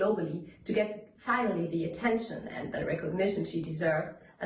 untuk mendapatkan penonton dan pengertian yang dia berhargai